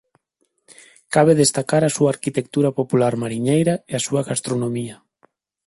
Cabe destacar a súa arquitectura popular mariñeira e a súa gastronomía.